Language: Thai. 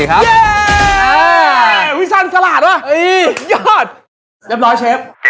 อ๋อกินข้าวเหงียวดำ